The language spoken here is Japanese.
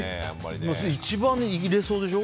一番入れそうでしょ。